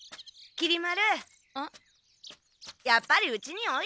きり丸！